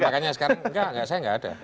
makanya sekarang nggak saya nggak ada